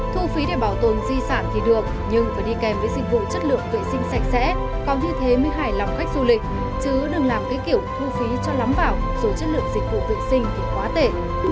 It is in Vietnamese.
thu phí để bảo tồn di sản thì được nhưng phải đi kèm với dịch vụ chất lượng vệ sinh sạch sẽ còn như thế mới hài lòng khách du lịch chứ đừng làm cái kiểu thu phí cho lắm vào rồi chất lượng dịch vụ vệ sinh thì quá tệ